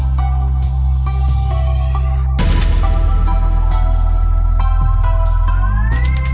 โปรดติดตามต่อไป